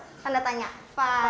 kalau cepetnya hitungannya gini